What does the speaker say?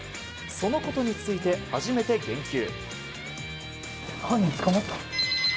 そのことについて、初めて言及。